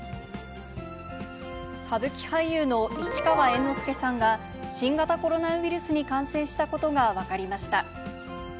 歌舞伎俳優の市川猿之助さんが、新型コロナウイルスに感染したことが分かりました。